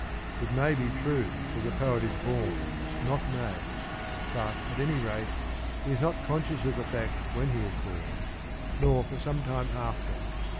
It may be true that the poet is born not made, but at any rate he is not conscious of the fact when he is born, nor for some time after.